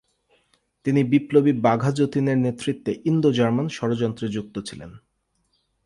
তিনি বিপ্লবী বাঘা যতীনের নেতৃত্বে ইন্দো জার্মান ষড়যন্ত্রে যুক্ত ছিলেন।